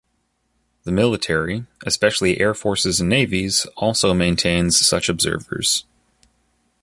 The military, especially air forces and navies, also maintains such observers.